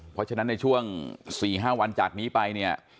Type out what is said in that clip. เพราะฉะนั้นในช่วง๔๕วันจากนี้ไปเนี่ย